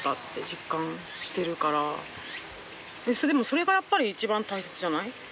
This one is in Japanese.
それがやっぱり一番大切じゃない？